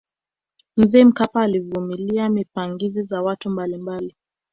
mzee mkapa alivumilia pingamizi za watu mbalimbali